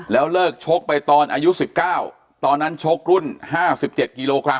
แล้วเลิกชกไปตอนอายุ๑๙ตอนนั้นชกรุ่น๕๗กิโลกรั